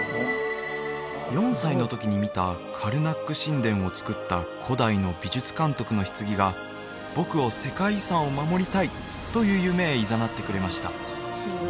４歳の時に見たカルナック神殿を造った古代の美術監督の棺が僕を世界遺産を守りたいという夢へいざなってくれました